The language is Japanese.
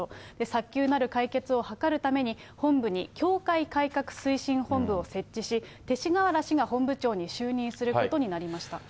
早急なる解決を図るために、本部に教会改革推進本部を設置し、勅使河原氏が本部長に就任することになりました。